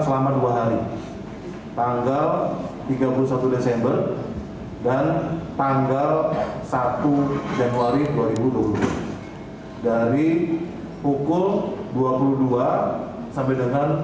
selama dua hari tanggal tiga puluh satu desember dan tanggal satu januari dua ribu dua puluh dari pukul dua puluh dua sampai dengan